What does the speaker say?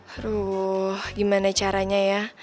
aruh gimana caranya ya